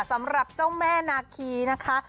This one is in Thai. สำหรับเจ้าแม่นาคีนะคะ